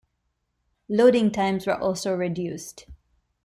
Loading times were also reduced.